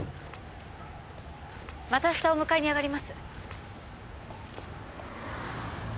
また明日お迎えにあがります。